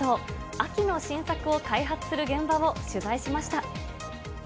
秋の新作を開発する現場を取材しました。